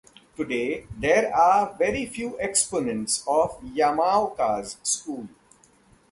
Today, there are very few exponents of Yamaoka's school.